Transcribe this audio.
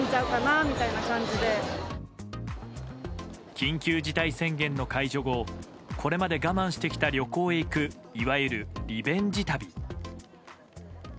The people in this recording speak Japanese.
緊急事態宣言の解除後これまで我慢してきた旅行へ行くいわゆるリベンジ旅。